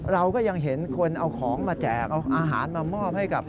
เราก็ยังเห็นคนเอาของมาแจกเอาอาหารมามอบให้กับ